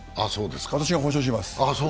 私が保証します。